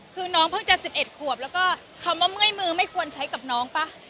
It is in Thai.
คือน้องเพิ่งจะ๑๑ขวบแล้วก็คำว่าเมื่อยมือไม่ควรใช้กับน้องป่ะ